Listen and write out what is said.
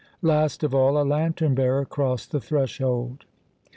Last of all a lantern bearer crossed the threshold.